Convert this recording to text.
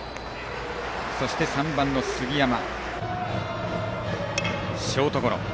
そして３番の杉山、ショートゴロ。